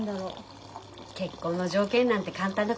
結婚の条件なんて簡単なことよ。